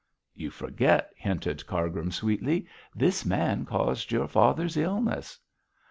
'You forget,' hinted Cargrim, sweetly, 'this man caused your father's illness.'